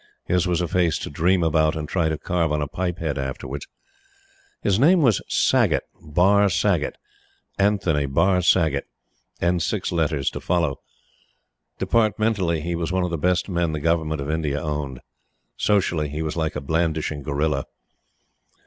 His was a face to dream about and try to carve on a pipe head afterwards. His name was Saggott Barr Saggott Anthony Barr Saggott and six letters to follow. Departmentally, he was one of the best men the Government of India owned. Socially, he was like a blandishing gorilla.